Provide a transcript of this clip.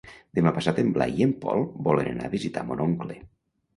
Demà passat en Blai i en Pol volen anar a visitar mon oncle.